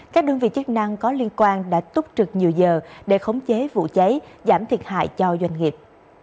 các đơn vị chức năng có liên quan đã túc trực nhiều giờ để khống chế vụ cháy giảm thiệt hại cho doanh nghiệp